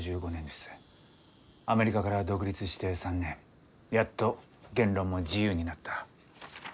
アメリカから独立して３年やっと言論も自由になった。